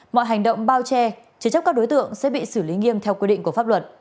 mọi hành động bao che chế chấp các đối tượng sẽ bị xử lý nghiêm theo quy định của pháp luật